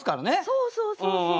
そうそうそうそう。